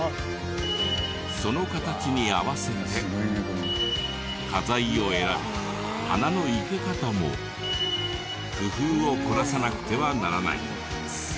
その形に合わせて花材を選び花の生け方も工夫を凝らさなくてはならない。